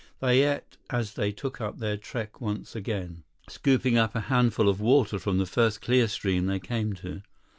They ate as they took up their trek once again, scooping up a handful of water from the first clear stream they came to.